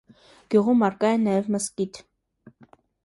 Գյուղում առկա է նաև մզկիթ։